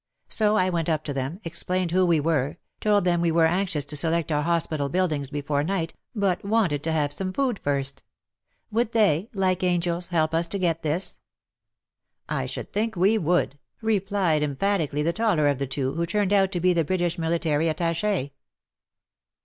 So I went up to them, explained who we were, told them we were anxious to select our hospital buildings before night, but wanted to have some food first. Would they, like angels, help us to get this ?" I should think we would," replied emphatic i62"' "'^ WAR AND WOMEN ally the taller of the two, who turned out to be the British Military Attach^.